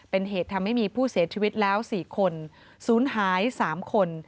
เป็นเหตุทำให้มีผู้เสียชีวิตแล้ว๔คนศูนย์หาย๓คน